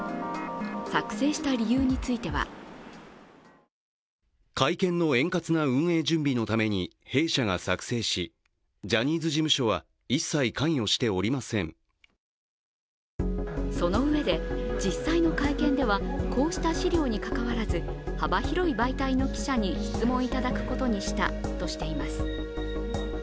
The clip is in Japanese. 作成した理由についてはそのうえで、実際の会見ではこうした資料に関わらず幅広い媒体の記者に質問いただくことにしたとしています。